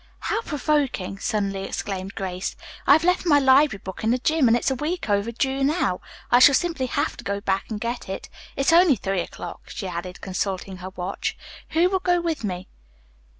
"How provoking!" suddenly exclaimed Grace. "I've left my library book in the gym. and it's a week overdue now. I shall simply have to go back and get it. It's only three o'clock," she added, consulting her watch. "Who will go with me?"